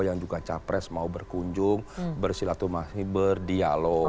yang juga capres mau berkunjung bersilaturahmi berdialog